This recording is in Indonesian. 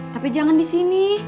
tapi jangan disini